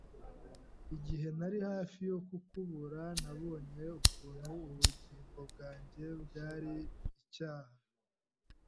Igihe nari hafi yo kukubura, nabonye ukuntu ubugingo bwanjye bwari icyaha.